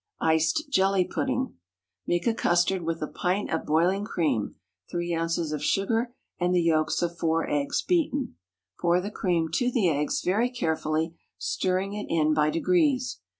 Iced Jelly Pudding. Make a custard with a pint of boiling cream, three ounces of sugar, and the yolks of four eggs beaten; pour the cream to the eggs very carefully, stirring it in by degrees.